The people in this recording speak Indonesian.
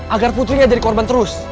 agar putrinya jadi korban terus